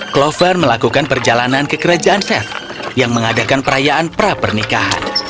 clover melakukan perjalanan ke kerajaan seth yang mengadakan perayaan pra pernikahan